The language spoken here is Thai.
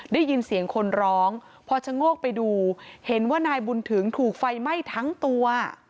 ได้ยินเสียงคนร้องพอชะโงกไปดูเห็นว่านายบุญถึงถูกไฟไหม้ทั้งตัว